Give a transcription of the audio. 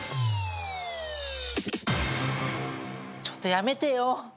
ちょっとやめてよ。